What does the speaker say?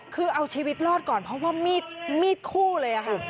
คือเอาชีวิตรอดก่อนเพราะว่ามีดคู่เลยค่ะ